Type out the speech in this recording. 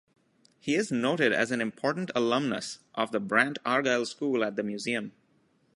He is noted as an important alumnus of the Brant-Argyle School at the museum.